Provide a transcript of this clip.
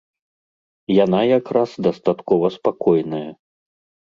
Яна якраз дастаткова спакойная.